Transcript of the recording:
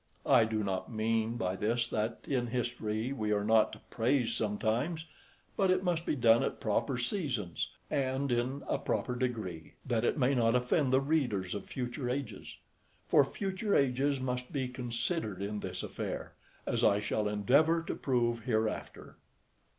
I do not mean by this, that in history we are not to praise sometimes, but it must be done at proper seasons, and in a proper degree, that it may not offend the readers of future ages; for future ages must be considered in this affair, as I shall endeavour to prove hereafter.